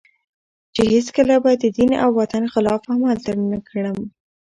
چي هیڅکله به د دین او وطن خلاف عمل تر نه کړم